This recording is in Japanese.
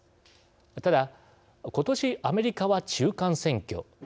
ただ、ことしアメリカは中間選挙